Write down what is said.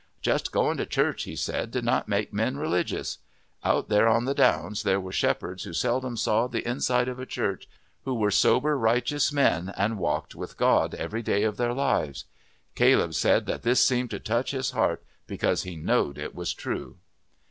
Just going to church, he said, did not make men religious. Out there on the downs there were shepherds who seldom saw the inside of a church, who were sober, righteous men and walked with God every day of their lives. Caleb said that this seemed to touch his heart because he knowed it was true.